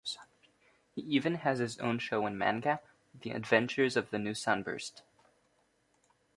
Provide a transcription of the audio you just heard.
He even has his own show and manga, "The Adventures of the New Sunburst".